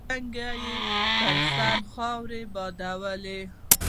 څنګه يې پر سر خاورې بادولې.